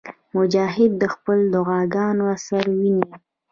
مجاهد د خپلو دعاګانو اثر ویني.